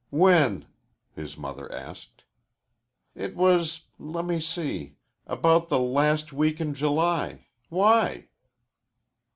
"When?" the mother asked. "It was let me see about the last week in July. Why?"